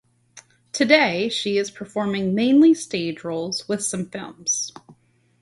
Today, she is performing mainly stage roles with some films.